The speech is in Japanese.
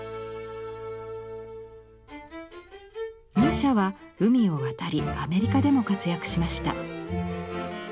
ミュシャは海を渡りアメリカでも活躍しました。